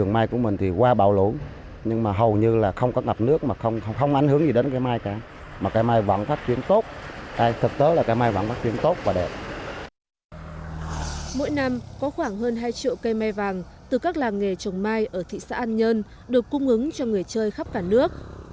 mỗi năm có khoảng hơn hai triệu cây me vàng từ các làng nghề trồng mai ở thị xã an nhơn được cung ứng cho người chơi khắp cả nước